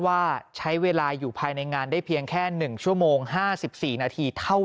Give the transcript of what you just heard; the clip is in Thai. ว่าใช้เวลาอยู่ภายในงานได้เพียงแค่๑ชั่วโมง๕๔นาทีเท่านั้น